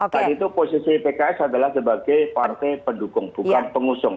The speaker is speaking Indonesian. karena itu posisi pks adalah sebagai partai pendukung bukan pengusung